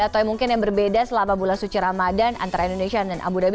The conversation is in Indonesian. atau mungkin yang berbeda selama bulan suci ramadan antara indonesia dan abu dhabi